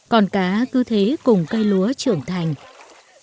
còn cá cứ thế cùng cây lúa trưởng thành và phát triển tốt